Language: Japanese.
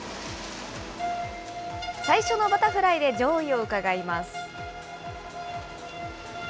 最初のバタフライで上位をうかがいます。